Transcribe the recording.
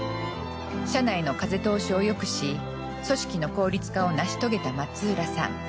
社内の風通しをよくし組織の効率化を成し遂げた松浦さん。